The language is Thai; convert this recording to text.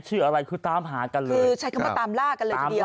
ชื่ออะไรคือตามหากันเลยคือใช้คำว่าตามล่ากันเลยทีเดียว